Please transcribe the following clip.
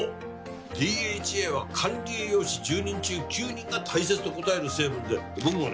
ＤＨＡは管理栄養士１０人中９人が大切と答える成分で僕もね